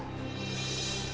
maksudnya pak dian